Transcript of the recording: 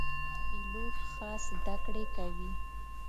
پیلوټ خاص زده کړې کوي.